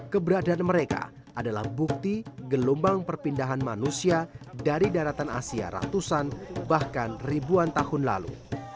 keberadaan mereka adalah bukti gelombang perpindahan manusia dari daratan asia ratusan bahkan ribuan tahun lalu